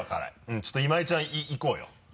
ちょっと今井ちゃんいこうよ。